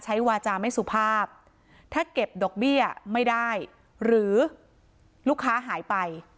วาจาไม่สุภาพถ้าเก็บดอกเบี้ยไม่ได้หรือลูกค้าหายไป